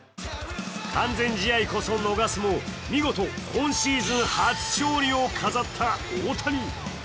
完全試合こそ逃すも見事、今シーズン初勝利を飾った大谷。